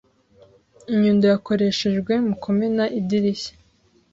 Inyundo yakoreshejwe mu kumena idirishya.